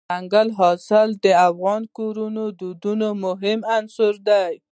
دځنګل حاصلات د افغان کورنیو د دودونو مهم عنصر دی.